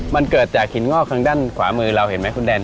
มันเกิดจากหินงอกทางด้านขวามือเราเห็นไหมคุณแดน